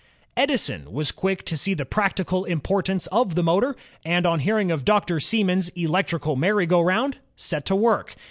Edison was quick to see the practical importance of the motor, and on hearing of Dr. Siemens's "electrical merry go round" set to work.